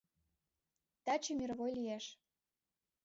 Таче мировой лиеш!